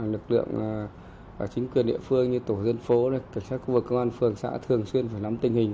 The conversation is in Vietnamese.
hành lực lượng chính quyền địa phương như tổ dân phố tổ chức khu vực công an phường xã thường xuyên phải nắm tình hình